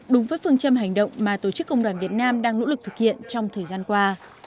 đúng với phương châm hành động mà tổ chức công đoàn việt nam đang nỗ lực thực hiện trong thời gian qua